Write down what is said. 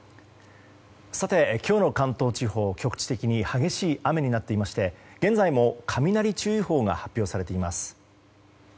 今日の関東地方、局地的に激しい雨になっていまして現在も雷注意報が発表されています。